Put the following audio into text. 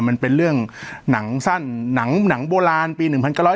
มันเป็นเรื่องหนังสั้นหนังโบราณปี๑๙